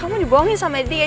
kamu dibawomin sama adi ya